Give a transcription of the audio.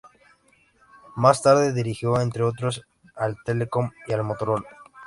Más tarde, dirigió, entre otros, al Telekom y al Motorola.